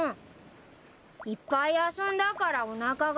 いっぱい遊んだからおなかがすいちゃって。